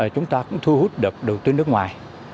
chúng ta cũng thu hút được đầu tư nước ngoài